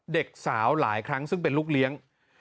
เด็กสาวหลายครั้งซึ่งเป็นลูกเลี้ยง